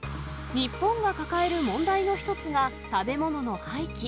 日本が抱える問題の一つが、食べ物の廃棄。